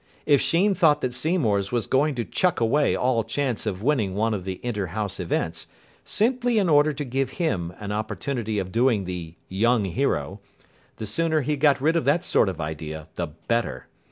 If Sheen thought that Seymour's was going to chuck away all chance of winning one of the inter house events, simply in order to give him an opportunity of doing the Young Hero, the sooner he got rid of that sort of idea, the better.